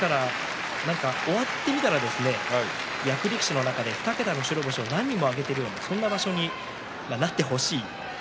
終わってみたら役力士の中で２桁の白星を何人も挙げているそんな場所になってほしい。